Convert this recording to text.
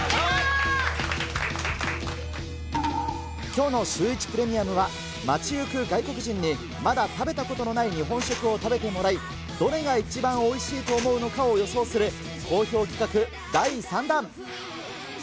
きょうのシューイチプレミアムは、街行く外国人に、まだ食べたことのない日本食を食べてもらい、どれが一番おいしいと思うのかを予想する、好評企画第３弾。